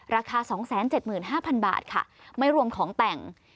ราคา๒๗๕๐๐บาทค่ะไม่รวมของแต่ง